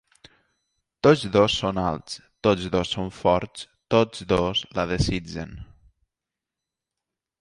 Tots dos són alts, tots dos són forts, tots dos la desitgen.